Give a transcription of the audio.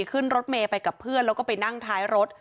ขึ้นรถเมย์ไปกับเพื่อนแล้วก็ไปนั่งท้ายรถ